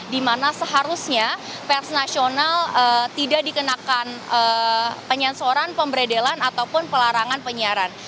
di mana seharusnya pers nasional tidak dikenakan penyensoran pemberedelan ataupun pelarangan penyiaran